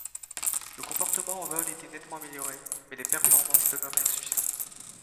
Le comportement en vol était nettement amélioré, mais les performances demeuraient insuffisantes.